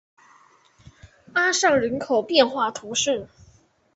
阿尚人口变化图示